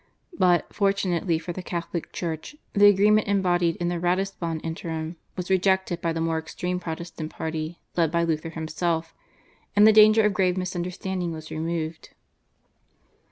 But, fortunately for the Catholic Church, the agreement embodied in the /Ratisbon Interim/ was rejected by the more extreme Protestant Party led by Luther himself, and the danger of grave misunderstanding was removed.